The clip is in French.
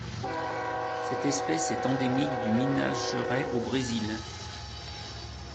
Cette espèce est endémique du Minas Gerais Au Brésil.